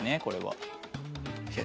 これは。